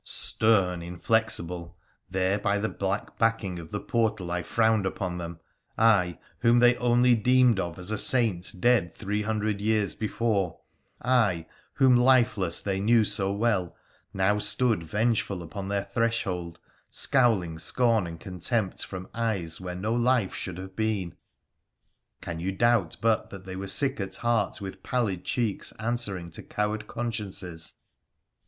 Stern, inflexible, there by the black backing of the portal I frowned upon them — I, whom they only deemed of as a saint dead three hundred years before — I, whom lifeless they knew so well, now stood vengeful upon their threshold, scowling scorn and contempt from eyes where no life should have been —■ can you doubt but they were sick at heart, with pallid cheeka answering to coward consciences